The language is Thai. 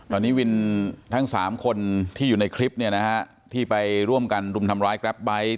ตอนนี้วินทั้ง๓คนที่อยู่ในคลิปเนี่ยนะฮะที่ไปร่วมกันรุมทำร้ายแกรปไบท์